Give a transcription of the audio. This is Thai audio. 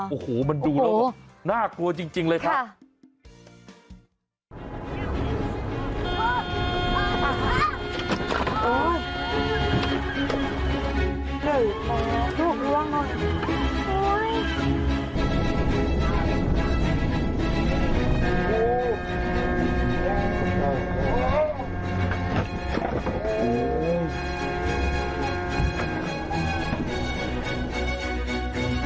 โอ้โหมันดูแล้วน่ากลัวจริงเลยครับ